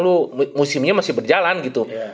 dulu musimnya masih berjalan gitu